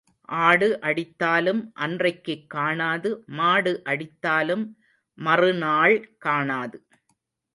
ஆடு அடித்தாலும் அன்றைக்குக் காணாது மாடு அடித்தாலும் மறு நாள் காணாது.